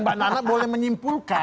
mbak nana boleh menyimpulkan